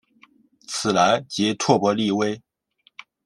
此男即拓跋力微。